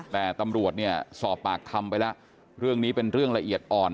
แต่ตำรวจเนี่ยสอบปากคำไปแล้วเรื่องนี้เป็นเรื่องละเอียดอ่อน